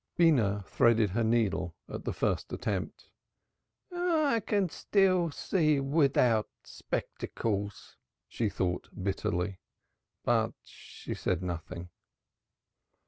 Beenah threaded her needle at the first attempt. "I can still see without spectacles," she thought bitterly. But she said nothing.